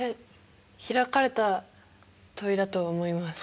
開かれた問いだと思います。